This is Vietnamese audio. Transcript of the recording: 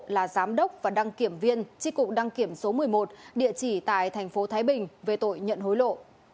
là giám đốc và đăng kiểm viên chi cục đăng kiểm số một mươi một địa chỉ tại thành phố thái bình về tội nhận hối lộ